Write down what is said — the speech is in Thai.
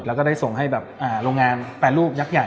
แล้วก็ได้ส่งให้แบบโรงงานแปรรูปยักษ์ใหญ่